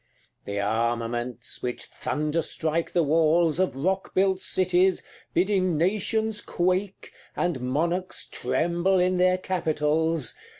CLXXXI. The armaments which thunderstrike the walls Of rock built cities, bidding nations quake, And monarchs tremble in their capitals.